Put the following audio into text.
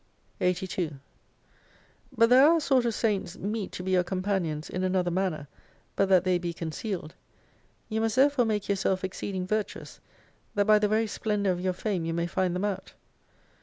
82 But there are a sort of Saints meet to be your com panions, in another manner, but that they be concealed. You must therefore make yourself exceeding virtuous that by the very splendour of your fame you may find them out.